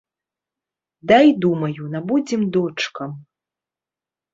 Дай, думаю, набудзем дочкам.